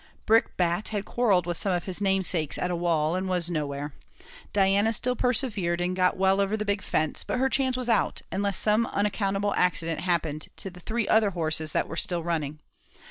Brickbat had quarrelled with some of his namesakes at a wall, and was now nowhere; Diana still persevered, and got well over the big fence, but her chance was out, unless some unaccountable accident happened to the three other horses that were still running.